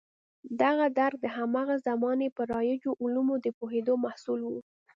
دغه درک د هماغه زمانې پر رایجو علومو د پوهېدو محصول و.